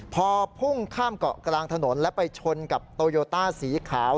พอพุ่งข้ามเกาะกลางถนนแล้วไปชนกับโตโยต้าสีขาว